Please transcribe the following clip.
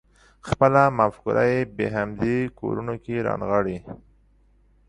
خپله مفکوره یې په همدې کورونو کې رانغاړله.